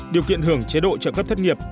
điều kiện hưởng chế độ trợ cấp thất nghiệp